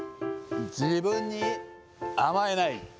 自分に甘えない。